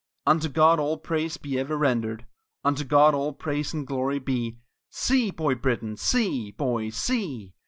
Unto God all praise be ever rendered, Unto God all praise and glory be! See, Boy Brittan! see, boy, see!